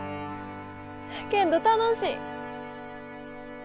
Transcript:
けんど楽しい！